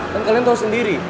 kan kalian tau sendiri